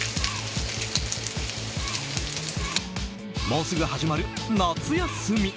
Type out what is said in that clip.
もうすぐ始まる夏休み。